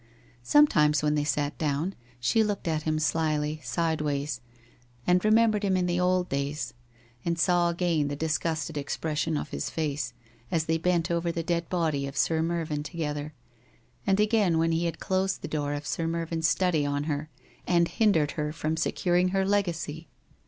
Sometimes, when they sat down, she looked at him slily, sideways, and remembered him in the old days, and saw again the disgusted expression of his face, as they bent over the dead body of Sir Mervyn together, and again when he had closed the door of Sir Mervyn's study (.ii her and hindered her from securing her legacy.